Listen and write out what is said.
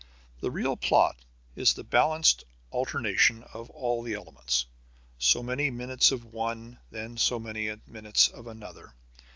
The real plot is the balanced alternation of all the elements. So many minutes of one, then so many minutes of another.